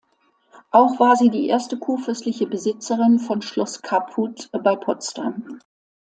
Auch war sie die erste kurfürstliche Besitzerin von Schloss Caputh bei Potsdam.